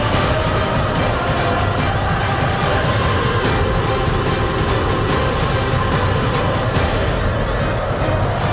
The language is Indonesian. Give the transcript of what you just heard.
sudrah ingin keponakan saya